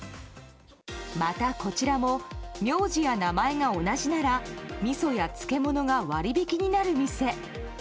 また、こちらも名字や名前が同じならみそや漬物が割り引きになる店。